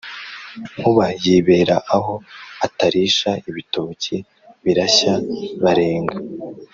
Nkuba yibera aho Atarisha ibitoki birashya, barenga